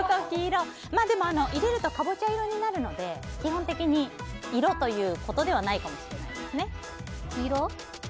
入れるとカボチャ色になるので基本的に色ということではないかもしれないですね。